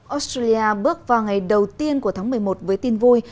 australia bước vào ngày đầu tiên của tháng một mươi một với tin vui